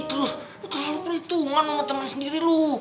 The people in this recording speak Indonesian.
terus lu terlalu perhitungan sama teman sendiri lu